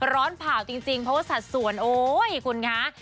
เผ่าจริงเพราะว่าสัดส่วนโอ๊ยคุณคะ